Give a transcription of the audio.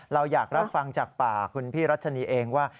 เราอยากรับฟังจากปากคุณพี่รัชนีเองว่า